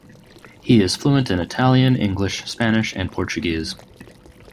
He is fluent in Italian, English, Spanish and Portuguese.